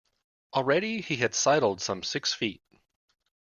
Already he had sidled some six feet.